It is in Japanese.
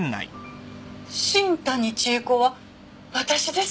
新谷智恵子は私ですが。